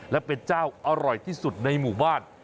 และเป็นเจ้าอร่อยที่สุดในหมู่บ้าน